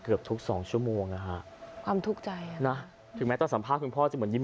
เกือบทุก๒ชั่วโมงผมต้องกินยา